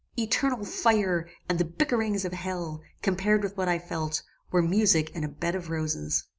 Eternal fire, and the bickerings of hell, compared with what I felt, were music and a bed of roses.